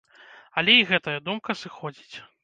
Але і гэтая думка сыходзіць.